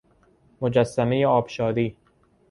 مجسمه آبشاری